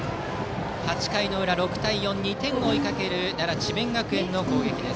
８回の裏、６対４２点を追いかける奈良・智弁学園の攻撃。